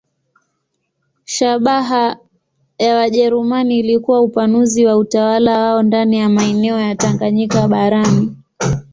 Shabaha ya Wajerumani ilikuwa upanuzi wa utawala wao ndani ya maeneo ya Tanganyika barani.